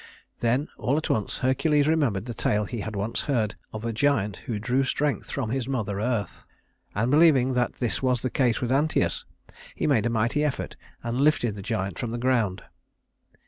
Then, all at once, Hercules remembered the tale he had once heard told of a giant who drew strength from his mother Earth; and believing that this was the case with Anteus, he made a mighty effort and lifted the giant from the ground.